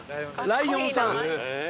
ライオンさん。